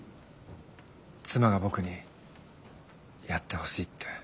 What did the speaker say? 妻が僕にやってほしいって。